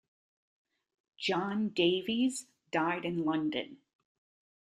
John Davies died in London.